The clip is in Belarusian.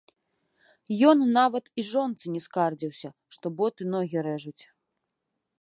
Ён нават і жонцы не скардзіўся, што боты ногі рэжуць.